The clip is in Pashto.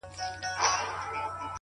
علم د بریا لارې اسانه کوي